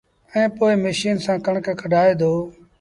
ائيٚݩ پو ميشن سآݩ ڪڻڪ ڪڍآئي دو